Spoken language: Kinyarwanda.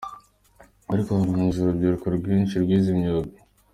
Ariko harangije urubyiruko rwinshi rwize imyuga.